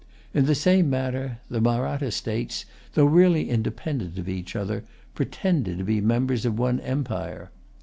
In the same manner the Mahratta states, though really independent of each other, pretended to be members of one empire.